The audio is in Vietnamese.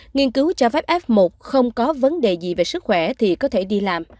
nghiên cứu cho phép f một không có vấn đề gì về sức khỏe thì có thể đi làm